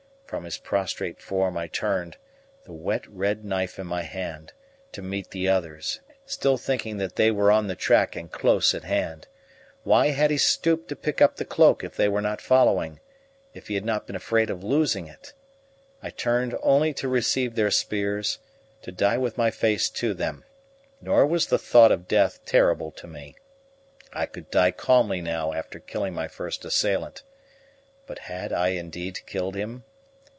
From his prostrate form I turned, the wet, red knife in my hand, to meet the others, still thinking that they were on the track and close at hand. Why had he stooped to pick up the cloak if they were not following if he had not been afraid of losing it? I turned only to receive their spears, to die with my face to them; nor was the thought of death terrible to me; I could die calmly now after killing my first assailant. But had I indeed killed him?